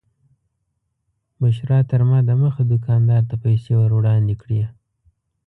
بشرا تر ما دمخه دوکاندار ته پیسې ور وړاندې کړې.